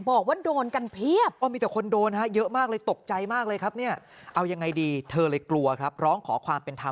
โอ้โหทำไมเยอะจังเลย